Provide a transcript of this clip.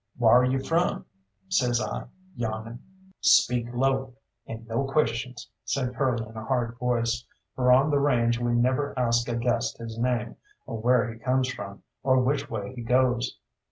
"Whar you from?" says I, yawning. "Speak low, and no questions," said Curly in a hard voice, for on the range we never ask a guest his name, or where he comes from, or which way he goes.